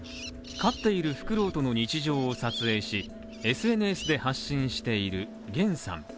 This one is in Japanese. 飼っているふくろうとの日常を撮影し、ＳＮＳで発信しているげんさん。